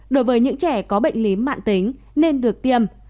đối với những trẻ có bệnh lý mạng tính nên được tiêm